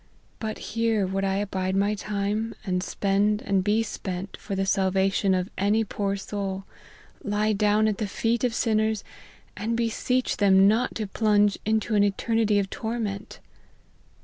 But here would I abide my time, and spend and be spent for the salvation of any poor soul ; lie down at the feet of sinners, and beseech them not to plunge into an eternity of torment."